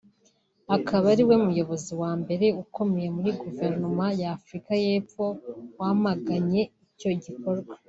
akaba ariwe muyobozi wa mbere ukomeye muri guverinoma ya Afurika y’Epfo wamaganye icyo gikorwa